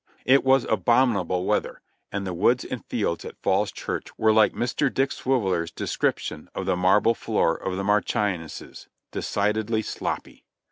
It was abominable weather and the woods and fields at Falls Church were like Mr. Dick Swiveller's description of the marble floor of the Marchioness's, decidedly "sloppy."